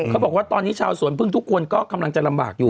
เขาบอกว่าตอนนี้ชาวสวนพึ่งทุกคนก็กำลังจะลำบากอยู่